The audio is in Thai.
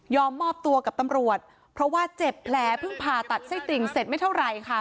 มอบตัวกับตำรวจเพราะว่าเจ็บแผลเพิ่งผ่าตัดไส้ติ่งเสร็จไม่เท่าไหร่ค่ะ